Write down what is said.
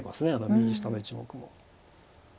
右下の１目も。